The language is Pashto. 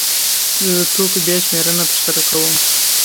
زه د توکو بیا شمېرنه ترسره کوم.